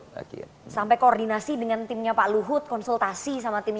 sampai koordinasi dengan timnya pak luhut konsultasi sama timnya pak luhut